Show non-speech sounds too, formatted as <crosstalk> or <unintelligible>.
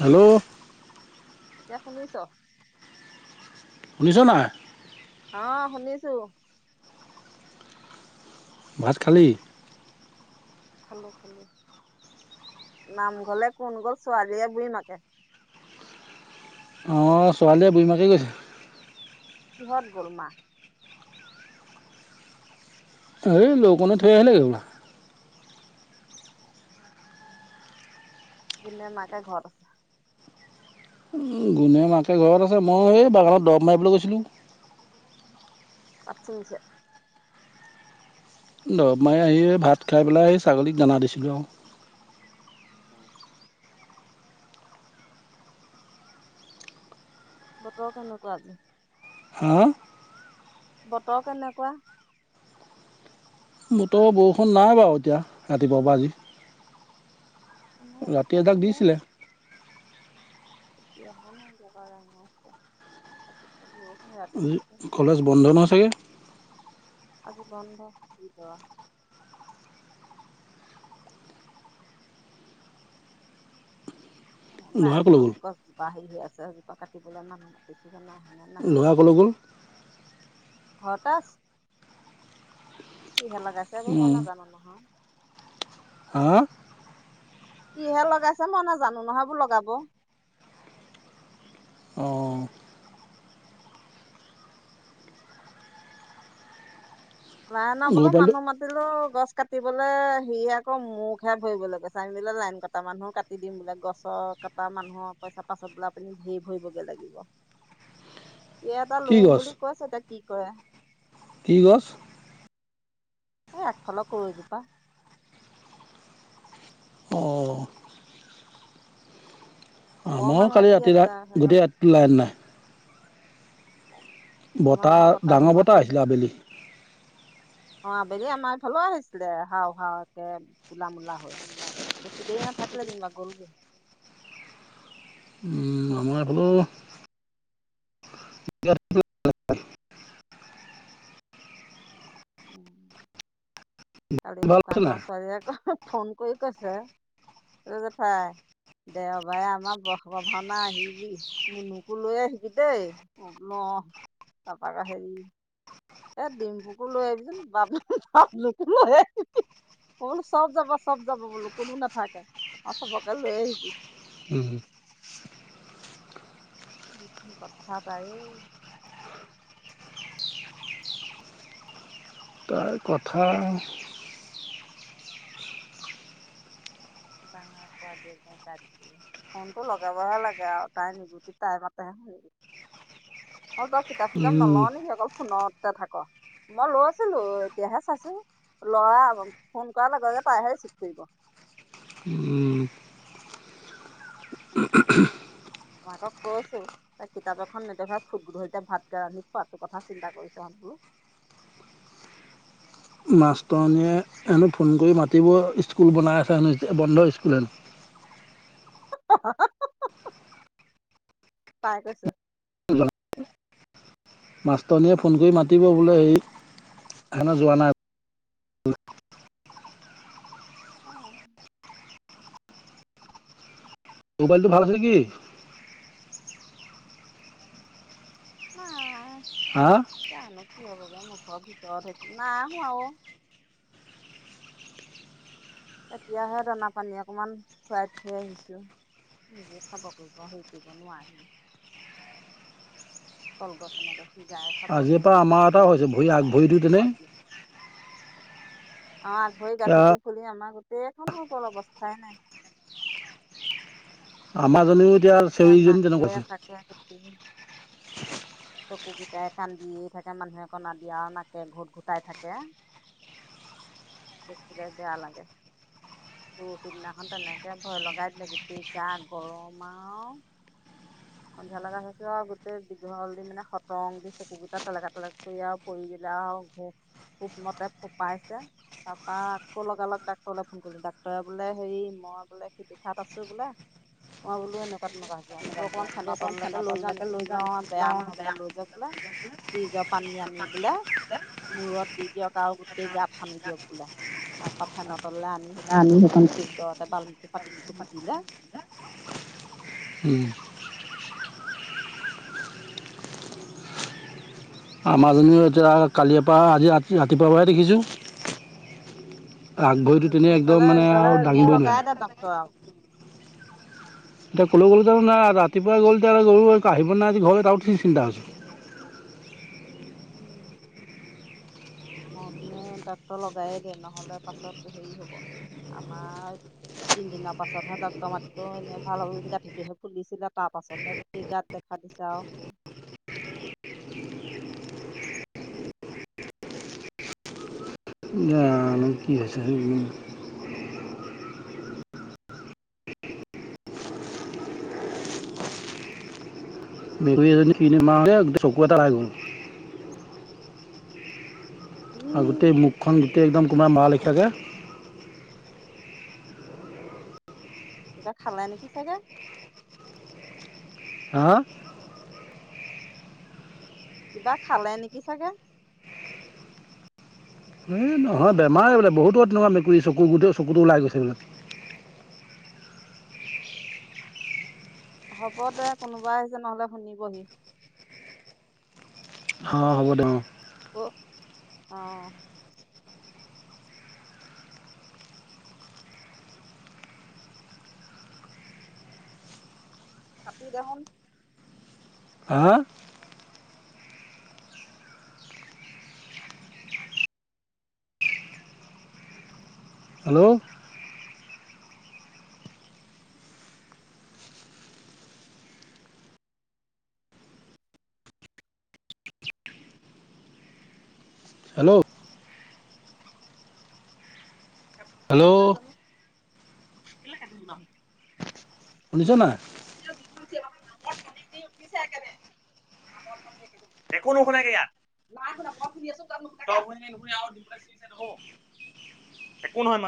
Hello এতিয়া শুনিছ'? শুনিছ নাই? অ শুনিছো ভাত খালি? খালো খালো নামঘলে কোন গ'ল ছোৱালীয়ে বই মাকে? অ', ছোৱালীয়ে, বুঢ়ী মাকে <unintelligible> কিহত গ'ল মা? এই লৌকনে থৈ আহিলে গৈ। গুনে, মাকে ঘৰত আছে? গুণে, মাকে ঘৰত আছে মই এই বাগানত দৰৱ মাৰিবলৈ গৈছিলোঁ। পাত চিঙিছে? দৰৱ মাৰি আহি ভাত খাই পেলাই ছাগলীক দানা দিছিলোঁ। <unintelligible> বতৰ কেনেকোৱা আজি? হা? বতৰ কেনেকোৱা? বতৰ বৰষুণ নাই বাৰু এতিয়া ৰাতিপুৱা পৰা আজি। আমাৰ ৰাতি ৰাতিপুৱা এজাক দিলে। দিছিলে এতিয়াহে নাই বতৰ দাঙিছে ৰাতি বৰষুণ ৰাতি আজি দিছে। কলেজ বন্ধ নহয় চাগে? আজি বন্ধ <unintelligible> ল'ৰা অনলাইন ত ক'লৈ গ'ল গছ জোপা আহি আছে। কাটিবলৈ মানুহ মাতিছিল। জানো আহে নে নাহে ল'ৰা নে। ক'লৈ গ'ল ঘৰতে আছে। সিহে লগাইছে এইবোৰ মই নাজানো নহয়। হা! সিহে লগাইছে মই নাজানো নহয় এইবোৰ লগাব। অ' প্ৰায়না গৰু বোলে পোৱালিটো মানুহ মাতিলে <unintelligible> গছ কাটিবলৈ সি আকৌ মোক হে ভৰিবলে কৈছে। আমি বোলে লাইন কটা মানুহো কাটি দিম বোলে, গছ কটা মানুহৰ পইচা পাছত বোলে আপুনি ধেৰ ভৰিবগে লাগিব। ই এটা কি লৈ আহিম গছ বুলি কৈছে এতিয়া কি কৰে। কি গছ? এই আগফালৰ কৰৈজোপা। অ' অকমান আমাৰো কালি লাগি ৰাতি আছে ৰাত সেইডাল গোটেই ৰাতি লাইন নাই। আমাৰ বতাহ সেইদিনাখন ডাঙৰ ধুমুহাত বতাহ হেৰি আহিছিলে হ'ল আবেলি। অ' আবেলি আমাৰ এইফালেও আহিছিলে হাও হাও একে কলা-মূলা হৈ বেছি দেৰি নাথাকিলে যেনিবা গ'লগৈ। মই বোলো <unintelligible> উম <unintelligible> কালি ভাল হৈছে শুকানৰ নাই ছোৱালীয়ে আকৌ ফোন কৰি কৈছে অ' জেঠাই দেওবাৰে আমাৰ বহ্ম ভাওনা আহিবি মুনুকো লৈ আহিবি দেই। মই কলো অ' তাপা আকৌ হেৰি এ ডিম্পুকো লৈ আহিবিচোন বাব বাবলুকো লৈ আহিবি মই বোলো চব যাব চব যাব বোলো কোনো নাথাকে। অ' চবকে লৈ আহিবি। উমঃ কিখন কথা তাই অই। তাৰ কথা ডাঙৰে কোৱা দি, একদম গাই থাকিব ফোনটো লগাবহে লাগে আও তাই <unintelligible> তাই মাতেহে শুনিবি। অ', তই কিতাপ চিতাপ উম, ন'লও নেকি অকল ফোনত থাক মই লৈছিলোঁ এতিয়াহে চাইছোঁ, ল'ৰা ফোন কৰাৰ লগে, লগে তাইহে ৰিচিভ কৰিব। উম, মাকক কৈছোঁ, তাইক কিতাপ এখন নেদেখুৱাও ফুট গধুলিতে ভাতগাল ৰান্ধি খোৱাটো কথা চিন্তা কৰিছহঁত বোলো। মাষ্টৰনীয়ে হেনো ফোন কৰি মাতিব স্কুল বনাই আছে হেনো বন্ধ স্কুল হেনো। <unintelligible> তাই কৈছে। মাষ্টৰনীয়ে ফোন কৰি মাতি মাতিব অ বোলে সেই সেইকাৰণে যোৱা নাই বোলে অ'। মোবাইলটো ভাল হৈছে নেকি? নাহ হা জানো কি হব। কিবা মুখৰ ভিতৰত হৈছে নাই হোৱা ও। এতিয়াহে দানা-পানী অকমান খুৱাই থৈ আহিছোঁ। নিজে খাব কৰিব হেৰি কৰিব নোৱাৰেই। কল গছ এনেকে সিজাই আজিৰ চাপৰটো পৰা দি আমাৰ এটা পিহি হৈছে পিহি ভৰি আগ পেলাই ভৰিটো তেনে মুখত দি অ', আগ ভৰি এতিয়া গাঁঠিটো ফুলি আমাৰ গোটেই গোটেইখন হৈ গল অৱস্থায়ে নাই। আমাৰ এতিয়া নাকে চাকে গোটেই চকু গোটেই কান্দিয়ে থাকে মানুহে কন্দা দি, আৰু নাকে ঘোঁট ঘোঁটাই থাকে। দেখিলে বেয়া লাগে। পৰহিদিনাখন তেনেকৈ ভয় লগাই দিলে, গোটেই গা গৰম। মাও সন্ধিয়া লগে হয়ছো আৰু গোতেই <unintelligible> চকু গিতা <unintelligible> কৰি পৰি গলো <unintelligible> তাৰ পৰা আক লগা লগ ডাক্তব় লৈ ফোন কৰিলো ডাক্তব়ে বুলে হেৰি ময় বোলে <unintelligible> আছো বুলে মই বোলো এনেকুৱা তেনেকোৱা হৈছে বোলো অকমান ফেন' তললেকে লৈ যাও নি? অ বেয়া নহয় বোলে লৈ যাওক বোলে ফ্ৰিজ পানী আনি বোলে মূৰত দি দিয়ক আও গোটেই গাত সানি দিয়ক বোলে তাপা ফেনতললে আনি সেইখন কৰিলেহি ভিতৰতে বাল টাপা দিনটো মুটিলে! উম, আমাজনিও এতিয়া কালিয়ে পা আজি ৰাতিপুৱাৰ পৰাহে দেখিছোঁ আগ ভৰিটো তেনেই সোনকালে একদম মানে আৰু হওঁতেনেই দাঙিবই লগাই দে নোৱাৰে ডাক্তৰ আৰু। এতিয়া ক'লৈ গ'ল জানো নাই ৰাতিপুৱাই গ'ল এতিয়ালে গৰু আহিব নে নাই আজি ঘৰলে তাৰো চিন্তা হৈছে, হ তেনে ডক্তৰ লগায়েই দে নহ'লে পাছত হেৰি হ'ব আমাৰ তিনিদিনৰ পাছতহে ডাক্তৰ মাতিলেও এনেই ভাল হ'ব গাঁঠিটোহে ফুলিছিলে তাৰ পাছতহে গোটেই গাত দেখা দিছে আৰু সেইবোৰ, নাই কি হৈছে জানো, মেকুৰী এজনী কিনো বেমাৰ হৈছে গোটে চকু এটা এৰাই গল আৰু গোটেই উম, মুখখন গোটেই একদম কোনোবাই মৰা লেখিয়াকে কিবা খালে নেকি চাগে? হা কিবা খালে নেকি চাগে এই নহয় বেমাৰে বোলে বহুতো তেনেকুৱা মেকুৰী চকু গোটেও চকুতটো ওলাই গৈছে বোলে হ'ব দে কোনোবাই আহিছে নহলে শুনিবহি অ হ'ব দে অ' অ' কপি দোহ! হা! হেল্ল' হেল্ল' কাট খালে নাই হেল্ল' জানো! কেলৈ কাটিল, শুনিছ না না উঠি একো নুশুনে ইয়াত নাই শু শুনি আছো তাতু নহয় একো নহয়